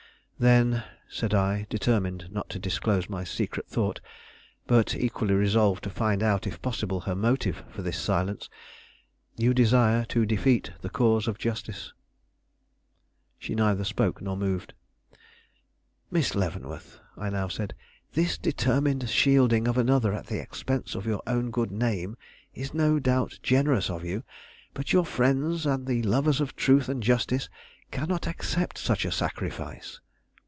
"Then," said I, determined not to disclose my secret thought, but equally resolved to find out if possible her motive for this silence, "you desire to defeat the cause of justice." She neither spoke nor moved. "Miss Leavenworth," I now said, "this determined shielding of another at the expense of your own good name is no doubt generous of you; but your friends and the lovers of truth and justice cannot accept such a sacrifice."